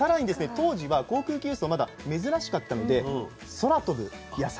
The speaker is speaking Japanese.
当時は航空機輸送まだ珍しかったので「空飛ぶ野菜」。